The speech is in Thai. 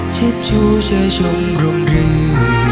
ชิดชู้ช่วยชมรมรึง